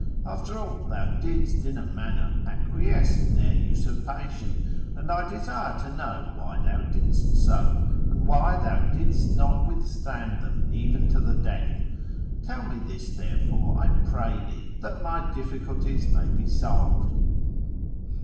After all, thou didst in a manner acquiesce in their usurpation, and I desire to know why thou didst so, and why thou didst not withstand them even to the death. Tell me this, therefore, I pray thee, that my difficulties may be solved.